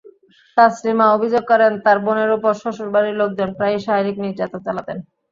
তাসলিমা অভিযোগ করেন, তাঁর বোনের ওপর শ্বশুরবাড়ির লোকজন প্রায়ই শারীরিক নির্যাতন চালাতেন।